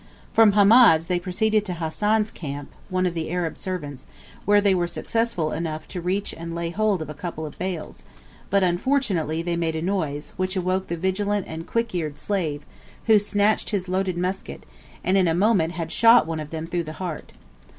From Hamed's they proceeded to Hassan's camp (one of the Arab servants), where they were successful enough to reach and lay hold of a couple of bales; but, unfortunately, they made a noise, which awoke the vigilant and quick eared slave, who snatched his loaded musket, and in a moment had shot one of them through the heart.